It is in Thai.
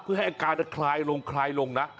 เพื่อให้อาการคลายลงคลายลงนะ